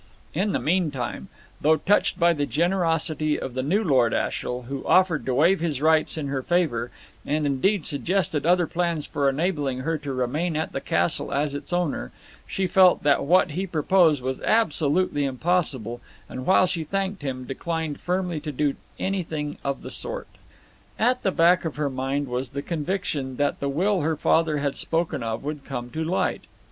In the meantime, though touched by the generosity of the new Lord Ashiel, who offered to waive his rights in her favour, and indeed suggested other plans for enabling her to remain at the castle as its owner, she felt that what he proposed was absolutely impossible, and while she thanked him, declined firmly to do anything of the sort. At the back of her mind was the conviction that the will her father had spoken of would come to light.